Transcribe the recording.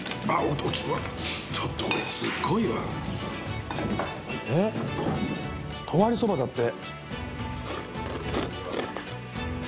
ちょっとこれすっごいわえっ十割そばだって